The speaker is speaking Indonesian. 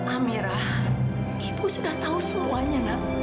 amirah ibu sudah tahu semuanya nak